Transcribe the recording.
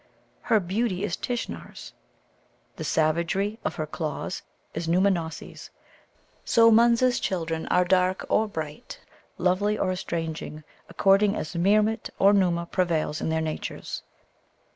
Her beauty is Tishnar's; the savagery of her claws is Nōōmanossi's. So Munza's children are dark or bright, lovely or estranging, according as Meermut or Nōōma prevails in their natures.